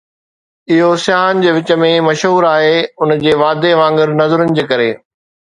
اهو سياحن جي وچ ۾ مشهور آهي ان جي وادي وانگر نظرن جي ڪري.